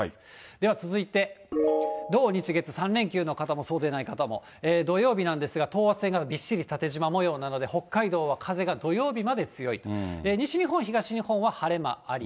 では続いて、土、日、月３連休の方も、そうでない方も、土曜日なんですが、等圧線がびっしり縦じまもようなので、北海道は風が土曜日まで強い、西日本、東日本は晴れ間あり。